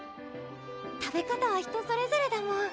食べ方は人それぞれだもん